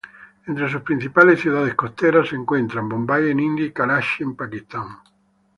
Entre sus principales ciudades costeras se encuentran Bombay en India y Karachi en Pakistán.